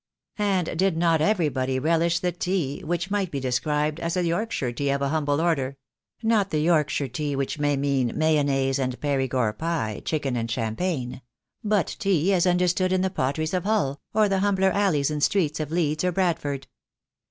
And did not everybody relish the tea, which might be described as a Yorkshire tea of a humble order; not the Yorkshire tea which may mean mayonnaise and peri gord pie, chicken and champagne — but tea as understood in the Potteries of Hull, or the humbler alleys and streets of Leeds or Bradford.